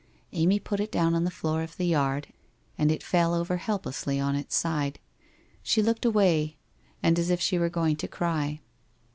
Amy put it down on the floor of the yard and it fell over helplessly on its side, She looked away and as if she were going to cry.